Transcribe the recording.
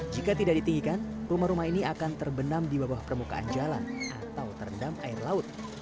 jika tidak ditinggikan rumah rumah ini akan terbenam di bawah permukaan jalan atau terendam air laut